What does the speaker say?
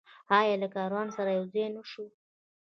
آیا له کاروان سره یوځای نشو؟